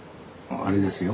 あれですよ